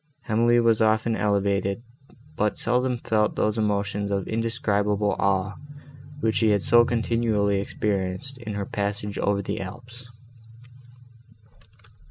Emily was often elevated, but seldom felt those emotions of indescribable awe which she had so continually experienced, in her passage over the Alps.